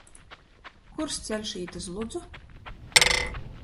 Kurs ceļš īt iz Ludzu?